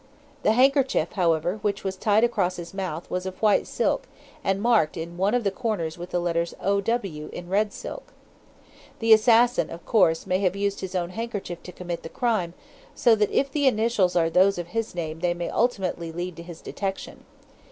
The handkerchief, however, which was tied across his mouth, was of white silk, and marked in one of the corners with the letters 'O.W.' in red silk. The assassin, of course, may have used his own handkerchief to commit the crime, so that if the initials are those of his name they may ultimately lead to his detection.